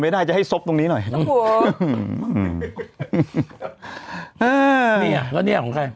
มันโดนชั่วขวาอีกนี่ของใคร